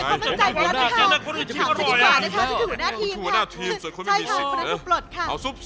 ให้ครับทุกหัวหน้าทีมกดสิทธิ์